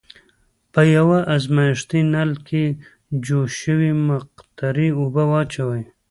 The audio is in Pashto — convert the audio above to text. په یوه ازمیښتي نل کې جوش شوې مقطرې اوبه واچوئ.